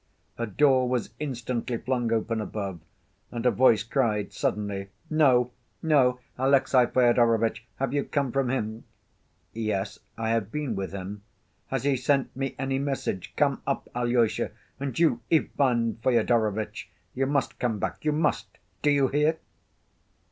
A door was instantly flung open above, and a voice cried suddenly: "No, no! Alexey Fyodorovitch, have you come from him?" "Yes, I have been with him." "Has he sent me any message? Come up, Alyosha, and you, Ivan Fyodorovitch, you must come back, you must. Do you hear?"